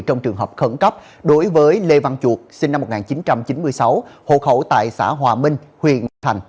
trong trường hợp khẩn cấp đối với lê văn chuột sinh năm một nghìn chín trăm chín mươi sáu hộ khẩu tại xã hòa minh huyện thành